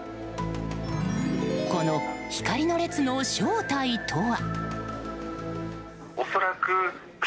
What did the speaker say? この光の列の正体とは？